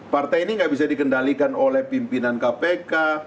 partai ini nggak bisa dikendalikan oleh pimpinan kpk